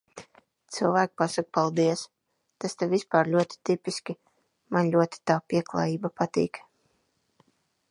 Cilvēki pasaka paldies. Tas te vispār ļoti tipiski, man ļoti tā pieklājība patīk.